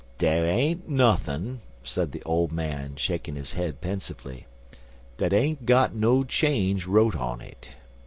"Dar ain't nuthin'," said the old man, shaking his head pensively, "dat ain't got no change wrote on it.